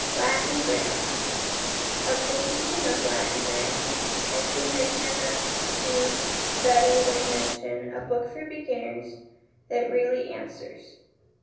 Latin Grammar. Of the teaching of Latin grammar, I think I cannot do better than mention a book for beginners that really answers.